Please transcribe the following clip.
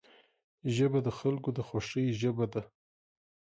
ژبه د خلکو د خوښۍ ژبه ده